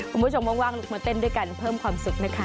คุณผู้ชมว่างลุกมาเต้นด้วยกันเพิ่มความสุขนะคะ